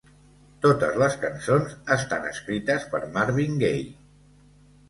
Totes les cançons estan escrites per Marvin Gaye.